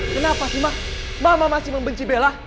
kenapa sih mak mama masih membenci bella